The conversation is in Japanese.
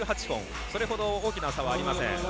それほど大きな差はありません。